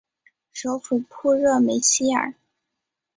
首府普热梅希尔。